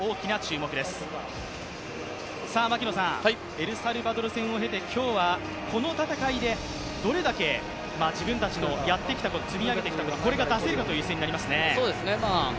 エルサルバドル戦を経て今日はこの戦いでどれだけ自分たちのやってきたこと、積み上げてきたことこれが出せるかという試合になりますね。